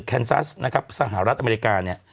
แนซัสนะครับสหรัฐอเมริกาเนี่ย